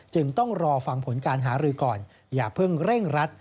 จึงต้องรอฟังผลการหารือก่อนอย่าเพิ่งเร่งรัด